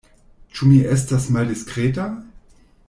Ĉu mi estas maldiskreta?